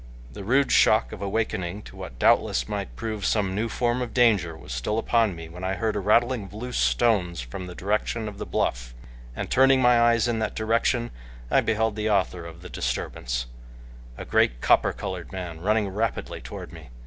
The rude shock of awakening to what doubtless might prove some new form of danger was still upon me when I heard a rattling of loose stones from the direction of the bluff, and turning my eyes in that direction I beheld the author of the disturbance, a great copper colored man, running rapidly toward me.